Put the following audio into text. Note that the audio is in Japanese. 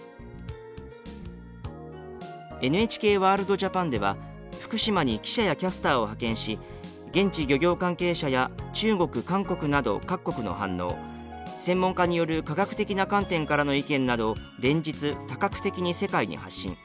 「ＮＨＫＷＯＲＬＤＪＡＰＡＮ」では福島に記者やキャスターを派遣し現地漁業関係者や中国韓国など各国の反応専門家による科学的な観点からの意見など連日多角的に世界に発信。